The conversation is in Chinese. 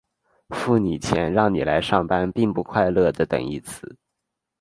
付你钱让你来上班并不快乐的等义词。